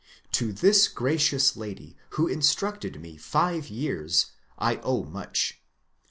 To this gracious lady, who instructed me five years, I owe much.